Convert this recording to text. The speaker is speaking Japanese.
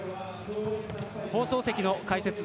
放送席の解説